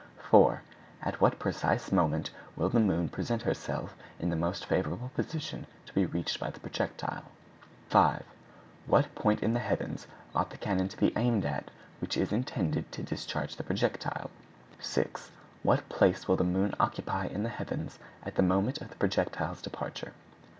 "4. At what precise moment will the moon present herself in the most favorable position to be reached by the projectile? "5. What point in the heavens ought the cannon to be aimed at which is intended to discharge the projectile? "6. What place will the moon occupy in the heavens at the moment of the projectile's departure?"